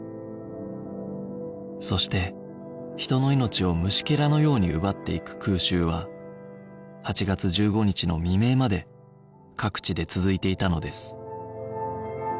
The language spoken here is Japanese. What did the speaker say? そして人の命を虫けらのように奪っていく空襲は８月１５日の未明まで各地で続いていたのです